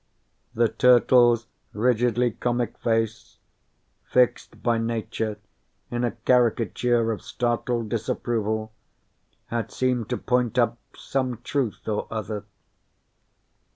_" The turtle's rigidly comic face, fixed by nature in a caricature of startled disapproval, had seemed to point up some truth or other.